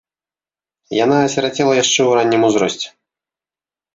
Яна асірацела яшчэ ў раннім узросце.